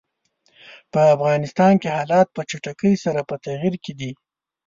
په افغانستان کې حالات په چټکۍ سره په تغییر کې دي.